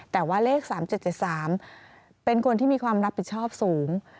แต่ว่าเลข๓๗๗๓เป็นคนที่มีความรับผิดชอบสูง